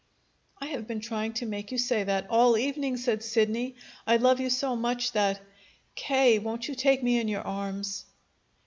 "I have been trying to make you say that all evening!" said Sidney. "I love you so much that K., won't you take me in your arms?"